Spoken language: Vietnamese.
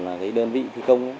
là cái đơn vị thi công